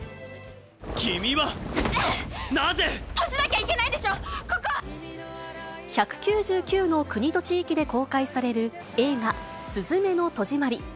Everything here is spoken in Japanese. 君はなぜ。閉じなきゃいけないんでしょ、１９９の国と地域で公開される映画、すずめの戸締まり。